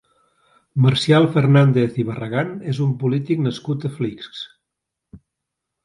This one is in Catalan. Marcial Fernàndez i Barragan és un polític nascut a Flix.